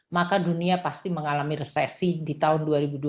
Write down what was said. maka dunia pasti mengalami resesi di tahun dua ribu dua puluh